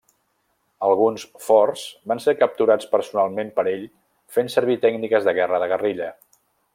Alguns forts van ser capturats personalment per ell fent servir tècniques de guerra de guerrilla.